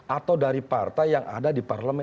atau dari partai yang ada di parlemen